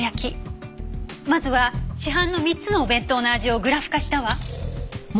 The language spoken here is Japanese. まずは市販の３つのお弁当の味をグラフ化したわ。